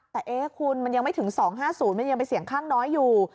แต่เอ๊ะคุณมันยังไม่ถึง๒๕๐มันยังเป็นเสียงข้างน้อยอยู่